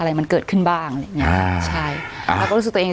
อะไรมันเกิดขึ้นบ้างอะไรอย่างเงี้อ่าใช่อ่าเราก็รู้สึกตัวเอง